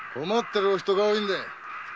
困ってる人が多いんだよ。